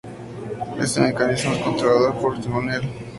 Este mecanismo era controlado por el timonel.